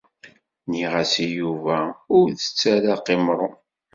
Nniɣ-as i Yuba ur tett ara qimṛun.